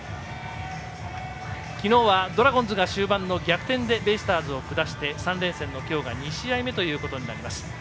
昨日はドラゴンズが終盤の逆転でベイスターズを下して３連戦の今日が２試合目ということになります。